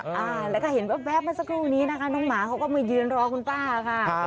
อ่าแล้วก็เห็นแว๊บมาสักครู่นี้นะคะน้องหมาเขาก็มายืนรอคุณป้าค่ะ